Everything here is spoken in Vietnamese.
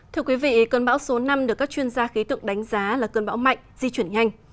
thưa quý vị cơn bão số năm được các chuyên gia khí tượng đánh giá là cơn bão mạnh di chuyển nhanh